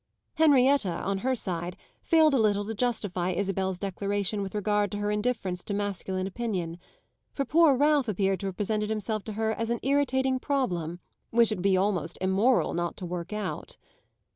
Henrietta, on her side, failed a little to justify Isabel's declaration with regard to her indifference to masculine opinion; for poor Ralph appeared to have presented himself to her as an irritating problem, which it would be almost immoral not to work out.